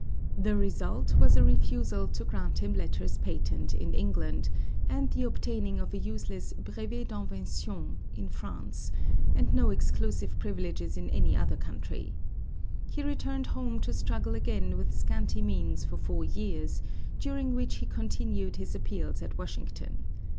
The result was a refusal to grant him letters patent in England, and the obtaining of a useless brevet d'invention in France, and no exclusive privileges in any other country. He returned home to struggle again with scanty means for four years, during which he continued his appeals at Washington.